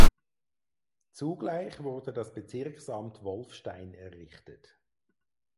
Zugleich wurde das Bezirksamt Wolfstein errichtet.